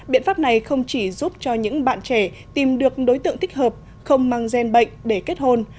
biện pháp này không chỉ giúp cho những bạn trẻ tìm được đối tượng thích hợp không mang gen bệnh để kết hôn